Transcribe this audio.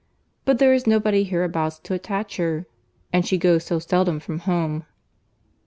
But there is nobody hereabouts to attach her; and she goes so seldom from home."